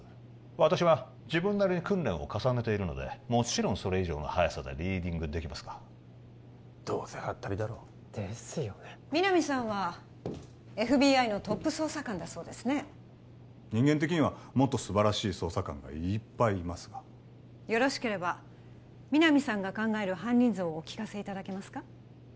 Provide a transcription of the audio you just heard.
私は自分なりに訓練を重ねているのでもちろんそれ以上の速さでリーディングできますがどうせはったりだろですよね皆実さんはＦＢＩのトップ捜査官だそうですね人間的にはもっと素晴らしい捜査官がいっぱいいますがよろしければ皆実さんが考える犯人像をお聞かせいただけますか？